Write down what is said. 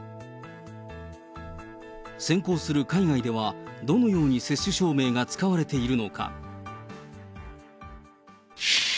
先行する海外では、どのように接種証明が使われているのか。